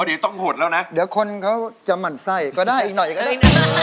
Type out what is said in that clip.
เดี๋ยวคนเขาจะมั่นไสก็ได้อีกหน่อยก็ได้